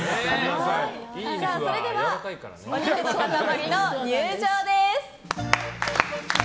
それではお肉の塊の入場です。